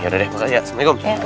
yaudah deh makanya ya assalamualaikum